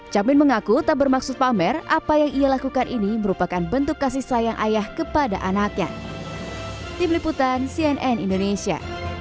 camin mengaku tak bermaksud pamer apa yang ia lakukan ini merupakan bentuk kasih sayang ayah kepada anaknya